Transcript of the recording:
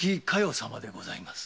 様でございます。